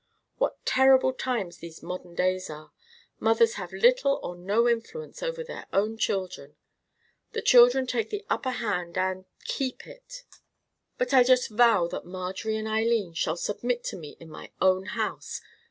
What terrible times these modern days are! Mothers have little or no influence over their own children. The children take the upper hand and—keep it. But I just vow that Marjorie and Eileen shall submit to me in my own house.